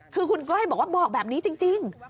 คือคุณก้อยบอกว่าบอกแบบนี้จริง